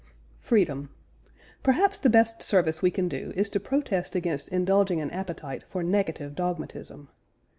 FREEDOM. Perhaps the best service we can do is to protest against indulging an appetite for negative dogmatism.